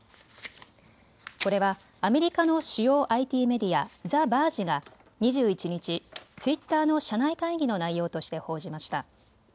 これはアメリカの主要ＩＴメディア、ザ・バージが２１日、ツイッターの社内会議の内容として報じました。